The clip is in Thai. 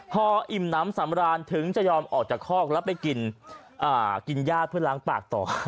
พออิ่มน้ำสำราญถึงจะยอมออกจากคอกแล้วไปกินญาติเพื่อล้างปากต่อ